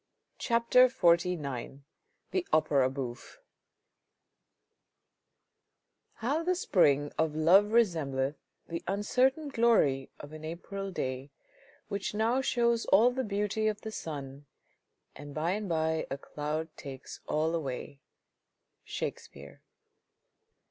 CHAPTER XLIX THE OPERA BOUFFE How the spring of love resembleth The uncertain glory of an April day, Whicli now shows all the beauty of the sun, And by and by a cloud takes all away. — Shakespeare.